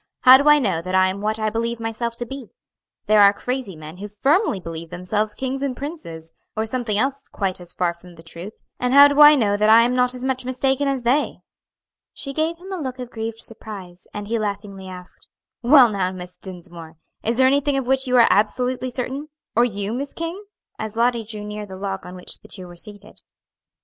how do I know that I am what I believe myself to be? There are crazy men who firmly believe themselves kings and princes, or something else quite as far from the truth; and how do I know that I am not as much mistaken as they?" She gave him a look of grieved surprise, and he laughingly asked, "Well, now, Miss Dinsmore, is there anything of which you really are absolutely certain? or you, Miss King?" as Lottie drew near the log on which the two were seated.